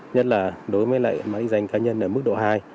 nhất là đối với lại định danh cá nhân ở mức độ hai